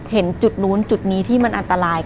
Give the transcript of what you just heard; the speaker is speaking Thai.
เห็นจุดนู้นจุดนี้ที่มันอันตราย